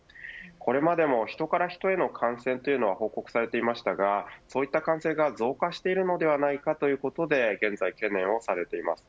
これまでも人から人への感染というのは報告されていましたがそうした感染が増加しているのではないかということで現在、懸念されています。